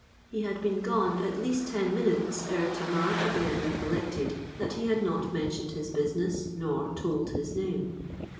He had been gone at least ten minutes ere Tamar again recollected that he had not mentioned his business nor told his name.